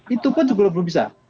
itu pun juga belum bisa